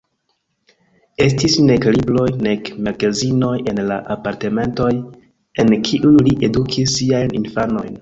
Estis nek libroj, nek magazinoj en la apartamentoj, en kiuj ili edukis siajn infanojn.